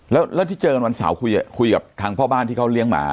แล้วที่เจอกันวันเสาร์คุยกับทางพ่อบ้านที่เขาเลี้ยงหมา